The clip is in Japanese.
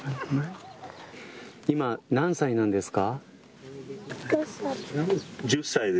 今、何歳なんですか。